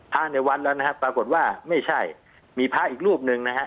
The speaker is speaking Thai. พระในวัดแล้วนะครับปรากฏว่าไม่ใช่มีพระอีกรูปหนึ่งนะฮะ